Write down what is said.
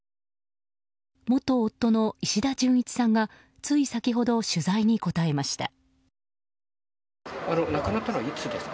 元夫の石田純一さんがつい先ほど、取材に答えました。